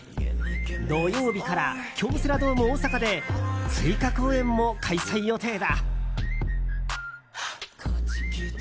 土曜日から京セラドーム大阪で追加公演も開催予定だ。